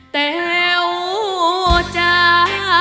แต้วจ้า